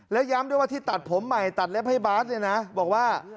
แล้วย้ำด้วยว่าที่ตัดผมใหม่ตัดเล็บให้บาสเนี่ยนะบอกว่า